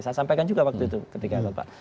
saya sampaikan juga waktu itu ketika bapak